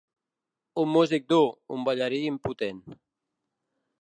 Un músic dur, un ballarí impotent.